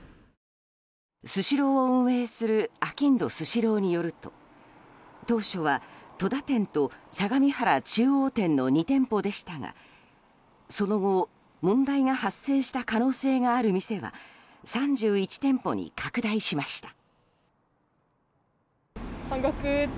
スシローを運営するあきんどスシローによると当初は戸田店と相模原中央店の２店舗でしたがその後、問題が発生した可能性がある店は３１店舗に拡大しました。